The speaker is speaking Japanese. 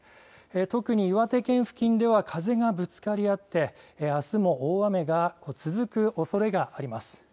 特に岩手県付近では風がぶつかり合って、あすも大雨が続くおそれがあります。